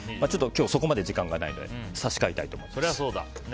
今日、そこまで時間がないので差し替えたいと思います。